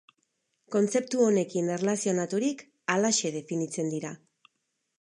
Kontzeptu honekin erlazionaturik, halaxe definitzen dira.